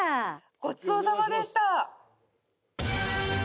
ごちそうさまでした。